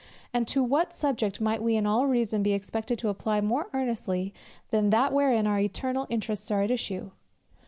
And to what subject might we in all reason be expected to apply more earnestly, than to that wherein our eternal interests are at issue?